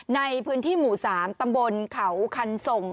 ในพื้นที่หมู่๓ตำบลเขาคันส่ง